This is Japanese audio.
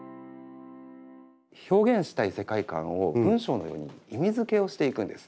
表現したい世界観を文章のように意味づけをしていくんです。